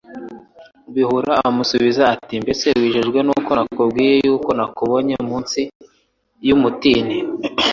bihura amusubiza ati : "Mbese wijejwe n'uko nkubwiye yuko nakubonye uri munsi y'umutini?